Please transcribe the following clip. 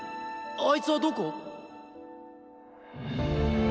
あいつはどこ？